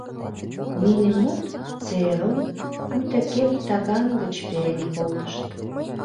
Нине мут Церерым пуйто кем таган гыч перен колтышт.